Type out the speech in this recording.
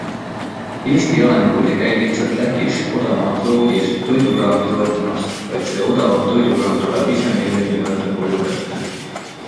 Eesti elanikud ei käi lihtsalt Lätis odavamat joogi- ja toidukraami soetamas, vaid see odavam toidukraam tuleb ise meile n-ö koju kätte.